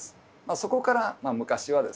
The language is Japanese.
そこから昔はですね